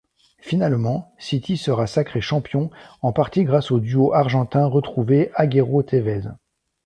Finalement City sera sacré champion, en partie grâce au duo argentin retrouvé Aguero-Tévez.